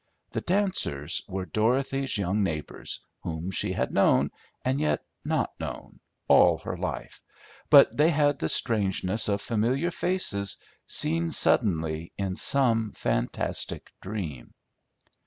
The dancers were Dorothy's young neighbors, whom she had known, and yet not known, all her life, but they had the strangeness of familiar faces seen suddenly in some fantastic dream.